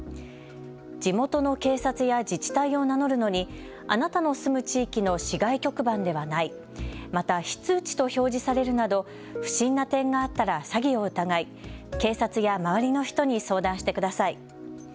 地元の警察や自治体を名乗るのにあなたの住む地域の市外局番ではない、また非通知と表示されるなど不審な点があったら詐欺を疑い警察や周りの人に相談してください。